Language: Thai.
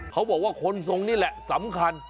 เขาบอกว่าคนทรงนี่แหละสำคัญ